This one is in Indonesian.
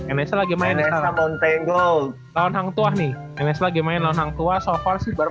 enes lagi main main tenggol tahun tahun tua nih enes lagi main langsung tua so far sih baru